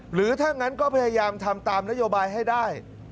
หรือถ้างั้นก็พยายามทำตามนโยบายให้ได้